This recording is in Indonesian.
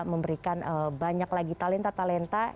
memberikan banyak lagi talenta talenta